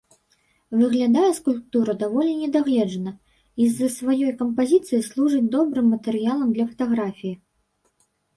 Выглядае скульптура даволі недагледжана, і з-за сваёй кампазіцыі служыць добрым матэрыялам для фатаграфіі.